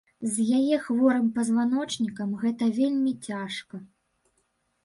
З яе хворым пазваночнікам гэта вельмі цяжка.